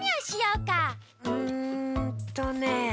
うんとね。